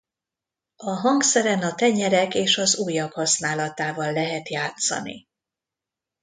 A hangszeren a tenyerek és az ujjak használatával lehet játszani.